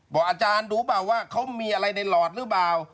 อาจารย์ดูเปล่าว่าเขามีอะไรในหลอดหรือเปล่า